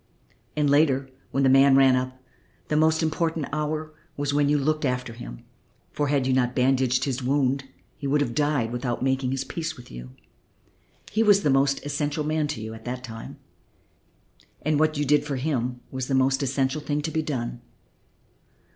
And later, when the man ran up, the most important hour was when you looked after him, for, had you not bandaged his wound, he would have died without making his peace with you. He was the most essential man to you at that time, and what you did for him was the most essential thing to be done.